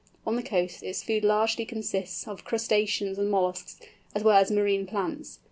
On the coast its food largely consists of crustaceans and molluscs, as well as marine plants.